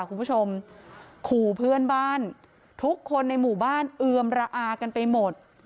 คุณผู้ชมขู่เพื่อนบ้านทุกคนในหมู่บ้านเอือมระอากันไปหมด